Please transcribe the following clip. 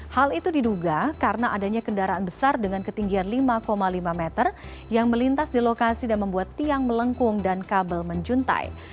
hal itu diduga karena adanya kendaraan besar dengan ketinggian lima lima meter yang melintas di lokasi dan membuat tiang melengkung dan kabel menjuntai